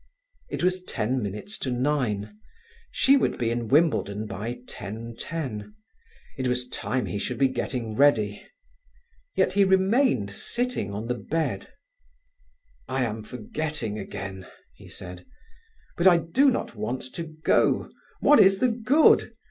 It was ten minutes to nine. She would be in Wimbledon by 10.10. It was time he should be getting ready. Yet he remained sitting on the bed. "I am forgetting again," he said. "But I do not want to go. What is the good?